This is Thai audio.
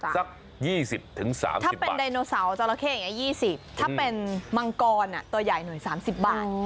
สัก๒๐๓๐ถ้าเป็นไดโนเสาร์จราเข้อย่างนี้๒๐ถ้าเป็นมังกรตัวใหญ่หน่อย๓๐บาท